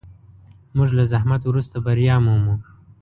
موږ له زحمت وروسته بریا مومو.